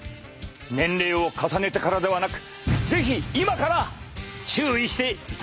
年齢を重ねてからではなく是非今から注意していただきたい。